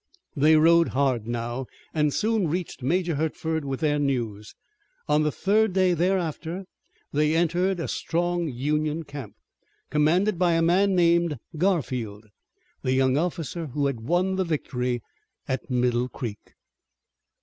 They rode hard now, and soon reached Major Hertford with their news. On the third day thereafter they entered a strong Union camp, commanded by a man named Garfield, the young officer who had won the victory at Middle Creek.